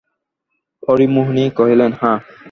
হরিমোহিনী কহিলেন, হাঁ।